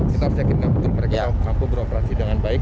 kita harus yakin bahwa mereka mampu beroperasi dengan baik